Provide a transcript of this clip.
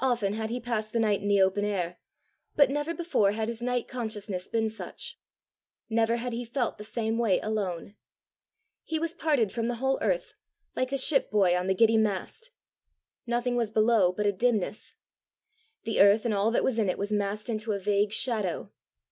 Often had he passed the night in the open air, but never before had his night consciousness been such! Never had he felt the same way alone. He was parted from the whole earth, like the ship boy on the giddy mast! Nothing was below but a dimness; the earth and all that was in it was massed into a vague shadow.